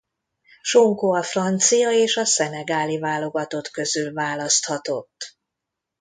Sonko a francia és a szenegáli válogatott közül választhatott.